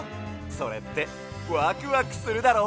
それってワクワクするだろ？